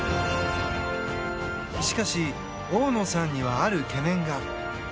しかし、大野さんにはある懸念が。